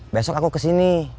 besok aku kesini